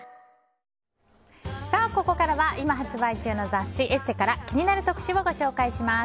ここからは、今発売中の雑誌「ＥＳＳＥ」から気になる特集をご紹介します。